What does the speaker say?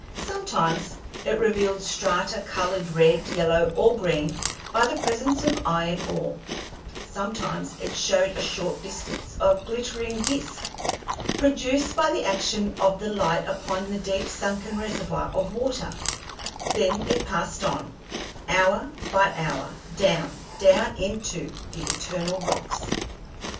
Sometimes it revealed strata colored red, yellow, or green by the presence of iron ore; sometimes it showed for a short distance a glittering disk, produced by the action of the light upon a deep sunken reservoir of water; then it passed on, hour by hour, down, down into the eternal rocks.